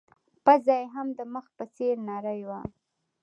پزه يې هم د مخ په څېر نرۍ وه.